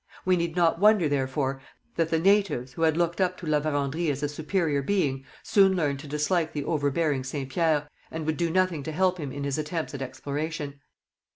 We need not wonder, therefore, that the natives, who had looked up to La Vérendrye as a superior being, soon learned to dislike the overbearing Saint Pierre, and would do nothing to help him in his attempts at exploration.